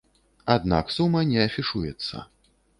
Аднак сума не афішуецца.